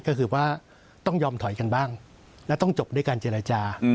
ก็คือว่าต้องยอมถอยกันบ้างและต้องจบด้วยการเจรจา